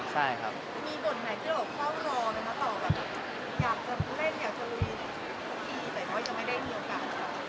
มีบทไหนที่เราเข้ารอมันหรือเปล่าแบบอยากจะเล่นอยากจะลุยแต่ยังไม่ได้มีโอกาส